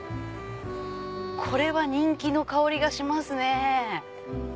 これは人気の薫りがしますね。